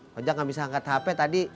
rojak gak bisa angkat hp tadi